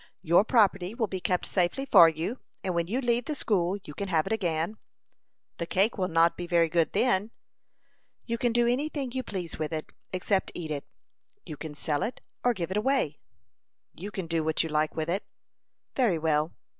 Your property will be kept safely for you, and when you leave the school, you can have it again." "The cake will not be very good then." "You can do any thing you please with it, except eat it. You can sell it, or give it away." "You can do what you like with it." "Very well.